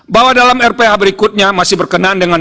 bahwa dalam rph berikutnya masih berkenan dengan